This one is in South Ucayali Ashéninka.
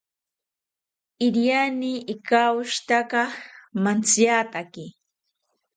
Iriani ikawoshitaka mantziataki